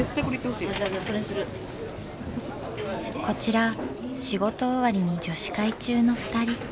こちら仕事終わりに女子会中のふたり。